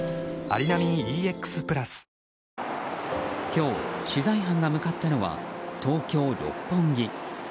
今日、取材班が向かったのは東京・六本木。